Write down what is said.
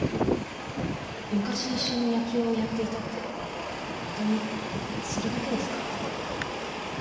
昔一緒に野球をやっていたってホントにそれだけですか？